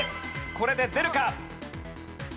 これで出るか？